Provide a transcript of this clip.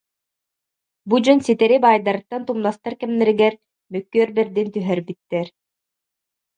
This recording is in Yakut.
Бу дьон ситэри баайдарыттан тумнастар кэмнэригэр мөккүөр бэрдин түһэрбиттэр